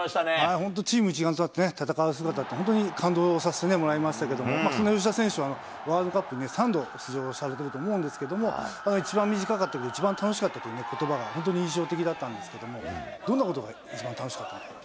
本当、チーム一丸となって戦う姿って、本当に感動させてもらいましたけど、吉田選手はワールドカップ、３度出場されてると思うんですけど、一番短かったけど一番楽しかったということばが本当に印象的だったんですけど、どんなことが一番楽しかったですか。